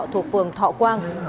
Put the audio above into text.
thuộc phường thọ quang